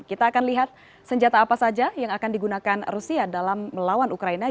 kita akan lihat senjata apa saja yang akan digunakan rusia dalam melawan ukraina